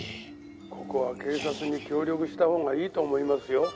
「ここは警察に協力した方がいいと思いますよ」